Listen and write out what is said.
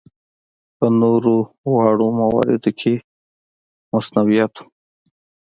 په نورو واړه مواردو کې مصنوعیت و.